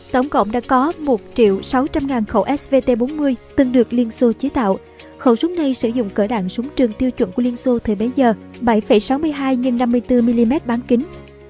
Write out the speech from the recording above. tổng cộng đã có một sáu trăm linh khẩu svt bốn mươi từng được liên xô chế tạo khẩu súng này sử dụng cỡ đạn súng trường tiêu chuẩn của liên xô thời bấy giờ